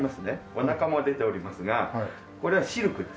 おなかも出ておりますがこれはシルクです。